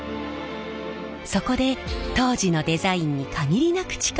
そこで当時のデザインに限りなく近い形で復刻。